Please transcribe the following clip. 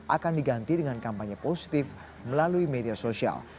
akan diganti dengan kampanye positif melalui media sosial